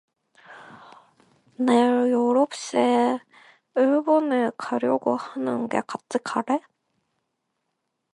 내일 아홉시에 일본에 가려고 하는데 같이 갈래?